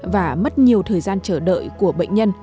và mất nhiều thời gian chờ đợi của bệnh nhân